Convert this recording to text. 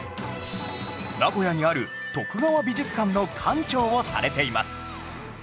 名古屋にある徳川美術館の館長をされています